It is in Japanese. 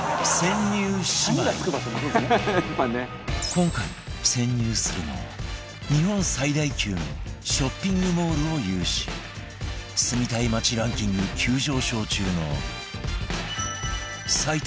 今回潜入するのは日本最大級のショッピングモールを有し住みたい街ランキング急上昇中の